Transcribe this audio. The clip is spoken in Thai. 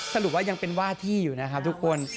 สรุปว่ายังเป็นว่าที่อยู่นะครับทุกคน